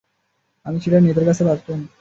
আমি সেটা নেতার কাছে পাঠাতাম।